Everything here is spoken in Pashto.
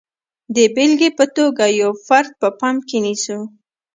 د بېلګې په توګه یو فرد په پام کې نیسو.